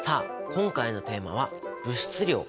今回のテーマは「物質量」。